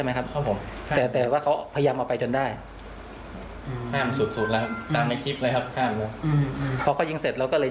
เรื่องฉีดนี่อันนั้นผมไม่แน่ใจครับเรื่องหลักคืน